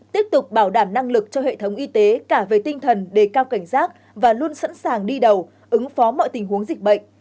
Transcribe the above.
tiếp tục bảo đảm năng lực cho hệ thống y tế cả về tinh thần đề cao cảnh giác và luôn sẵn sàng đi đầu ứng phó mọi tình huống dịch bệnh